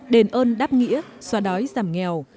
đền ơn đáp nghĩa xóa đói giảm nghèo